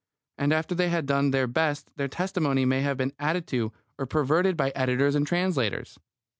And after they had done their best their testimony may have been added to or perverted by editors and translators.